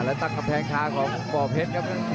และตั้งกำแพงคาของบ่อเพชรครับ